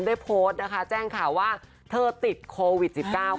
ได้โพสต์นะคะแจ้งข่าวว่าเธอติดโควิด๑๙